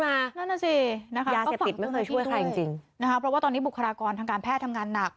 นั่นน่ะสินะคะยาเสพติดไม่เคยช่วยใครจริงนะคะเพราะว่าตอนนี้บุคลากรทางการแพทย์ทำงานหนัก